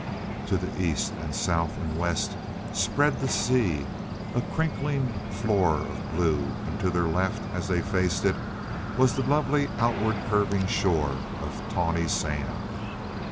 To the east and south and west spread the sea, a crinkling floor of blue, and to their left, as they faced it, was a lovely outward curving shore of tawny sand.